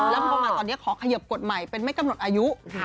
แล้วพอมาตอนนี้ขอเขยิบกฎใหม่เป็นไม่กำหนดอายุ